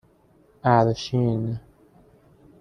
اَرشین